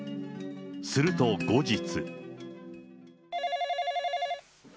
すると、後日。